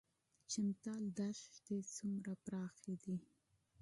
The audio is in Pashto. چمتال دښتې څومره پراخې دي؟